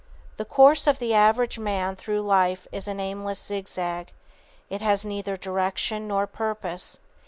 _ The course of the average man through life is an aimless zigzag. It has neither direction nor purpose.